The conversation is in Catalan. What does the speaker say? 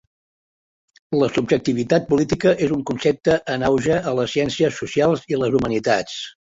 La subjectivitat política és un concepte en auge a les ciències socials i les humanitats.